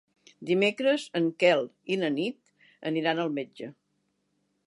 Dimecres en Quel i na Nit aniran al metge.